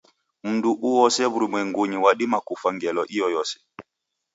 Mndu uoose w'urumwengunyi wadima kufwa ngelo iyoyose.